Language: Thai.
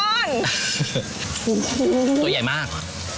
โอ้โหตัวใหญ่มาก